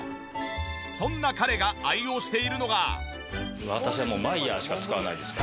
そんな彼が愛用しているのが。